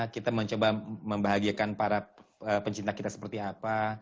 kita mencoba membahagiakan para pencinta kita seperti apa